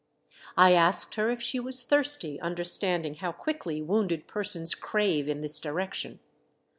I asked her if she was thirsty, understand ing how quickly wounded persons crave in this direction.